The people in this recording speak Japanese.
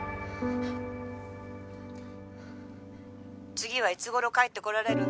「次はいつ頃帰ってこられるの？」